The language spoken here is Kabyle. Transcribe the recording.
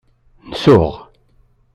Nsuɣ.